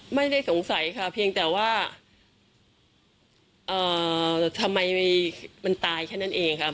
ไม่ได้สงสัยค่ะเพียงแต่ว่าทำไมมันตายแค่นั้นเองครับ